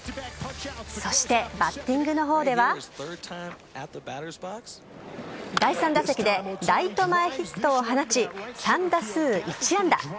そして、バッティングの方では第３打席でライト前ヒットを放ち３打数１安打。